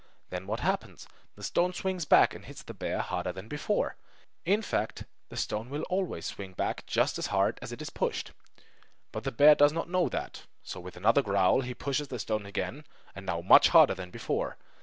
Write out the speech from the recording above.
Then what happens? The stone swings back and hits the bear harder than before! In fact, the stone will always swing back just as hard as it is pushed. But the bear does not know that! So with another growl he pushes the stone again and now much harder than before.